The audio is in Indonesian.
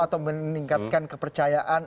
atau meningkatkan kepercayaan